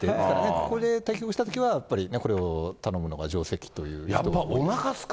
ここで対局したときは、やっぱりこれを頼むのが定石というか。